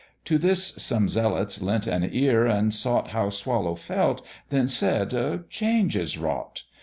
To this some zealots lent an ear, and sought How Swallow felt, then said "a change is wrought."